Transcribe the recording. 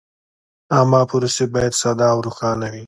عامه پروسې باید ساده او روښانه وي.